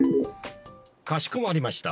かしこまりました。